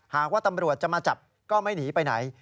หากว่าตำรวจจะมาจับก็ไม่หนีไปไหน